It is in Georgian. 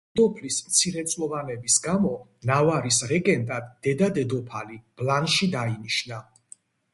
დედოფლის მცირეწლოვანების გამო ნავარის რეგენტად დედა-დედოფალი ბლანში დაინიშნა.